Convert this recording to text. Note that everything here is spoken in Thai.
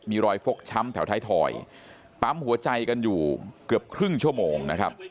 มีรอยฟกช้ำแถวท้ายถอยปั๊มหัวใจกันอยู่เกือบครึ่งชั่วโมงนะครับ